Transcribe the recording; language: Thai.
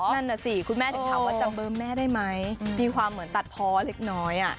นั่นน่ะสิคุณแม่ถึงถามว่าจำเบอร์แม่ได้ไหมมีความเหมือนตัดเพาะเล็กน้อย